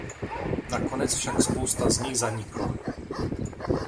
Nakonec však spousta z nich zanikla.